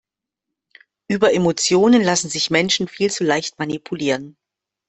Über Emotionen lassen sich Menschen viel zu leicht manipulieren.